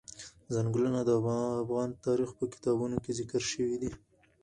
ځنګلونه د افغان تاریخ په کتابونو کې ذکر شوی دي.